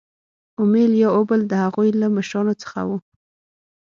اومیل یا اوبل د هغوی له مشرانو څخه وو.